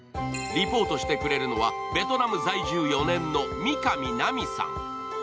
リポートしてくれるのは、ベトナム在住４年の三上ナミさん。